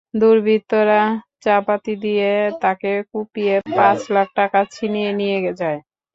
দুর্বৃত্তরা চাপাতি দিয়ে তাঁকে কুপিয়ে পাঁচ লাখ টাকা ছিনিয়ে নিয়ে যায়।